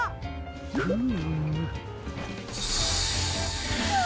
フーム。